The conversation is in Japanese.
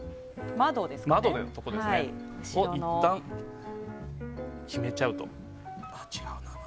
窓のところをいったん決めちゃうと。